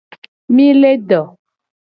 Mi le do.